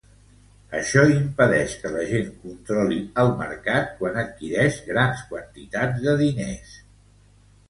Això impedeix que la gent controli el mercat quan adquireix grans quantitats de diners.